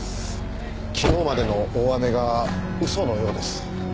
昨日までの大雨が嘘のようです。